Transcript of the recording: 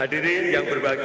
hadirin yang berbahagia